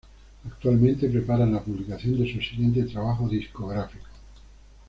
Actualmente preparan la publicación de su siguiente trabajo discográfico.